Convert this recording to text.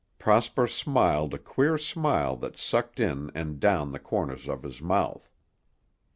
Prosper smiled a queer smile that sucked in and down the corners of his mouth.